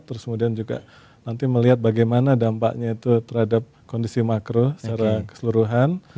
terus kemudian juga nanti melihat bagaimana dampaknya itu terhadap kondisi makro secara keseluruhan